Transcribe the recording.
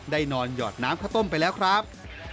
นอนหยอดน้ำข้าวต้มไปแล้วครับ